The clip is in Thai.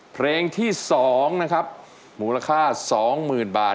เพลงที่๒นะครับมูลค่า๒๐๐๐บาท